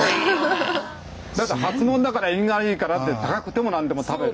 初物だから縁起がいいからって高くても何でも食べる。